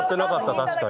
確かに。